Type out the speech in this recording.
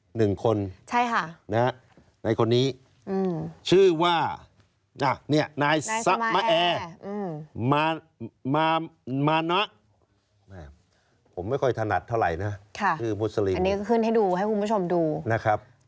หนึ่งคนนะครับในคนนี้ชื่อว่านายสมแอมานะผมไม่ค่อยถนัดเท่าไหร่นะคือมุสลิมค่ะอันนี้ก็ขึ้นให้ดูให้คุณผู้ชมดู